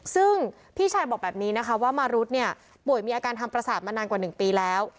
ซึ่งพี่ชายบอกแบบนี้นะคะว่ามารุดเนี่ยป่วยมีอาการทางประสาทมานานกว่า๑ปีแล้ว